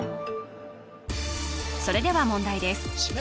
それでは問題です